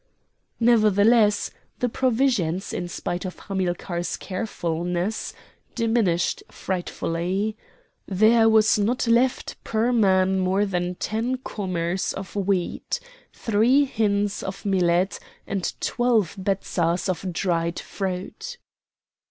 Nevertheless the provisions, in spite of Hamilcar's carefulness, diminished frightfully. There was not left per man more than ten k'hommers of wheat, three hins of millet, and twelve betzas of dried fruit.